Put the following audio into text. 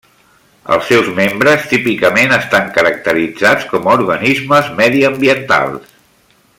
Els seus membres típicament estan caracteritzats com a organismes mediambientals.